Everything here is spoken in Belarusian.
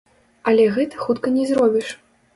Але гэта хутка не зробіш.